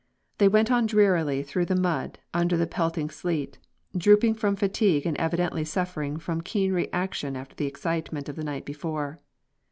They went on drearily through the mud under the pelting sleet, drooping from fatigue and evidently suffering from keen reaction after the excitement of the night before.